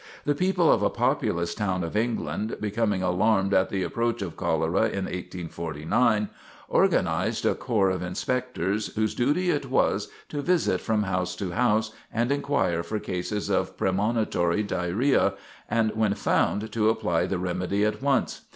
The people of a populous town of England, becoming alarmed at the approach of cholera in 1849, organized a corps of inspectors, whose duty it was to visit from house to house, and inquire for cases of premonitory diarrhoea, and when found to apply the remedy at once.